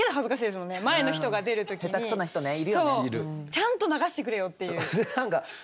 ちゃんと流してくれよっていう。